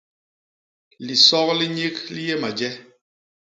Lisok li nyik li yé maje!